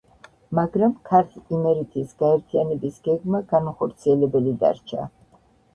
მაგრამ ქართლ-იმერეთის გაერთიანების გეგმა განუხორციელებელი დარჩა.